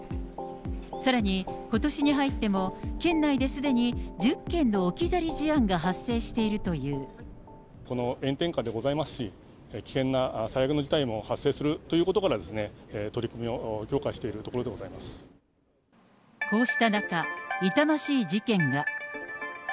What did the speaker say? さらに、ことしに入っても県内ですでに１０件の置き去り事案が発生していこの炎天下でございますし、危険な最悪の事態も発生するということから、取り組みを強化してこうした中、痛ましい事件が。